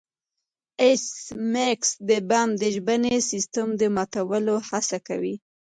ایس میکس د بم د ژبني سیستم د ماتولو هڅه کوي